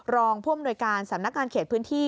รองผู้อำนวยการสำนักงานเขตพื้นที่